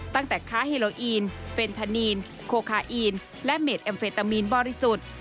ค้าเฮโลอีนเฟนทานีนโคคาอีนและเมดแอมเฟตามีนบริสุทธิ์